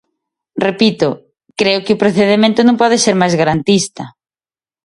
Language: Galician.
Repito, creo que o procedemento non pode ser máis garantista.